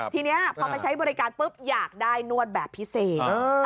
ทีนี้พอไปใช้บริการปุ๊บอยากได้นวดแบบพิเศษ